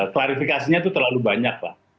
klarifikasinya itu terlalu banyak pak